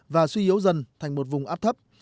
và suy yếu dần thành một vùng áp thấp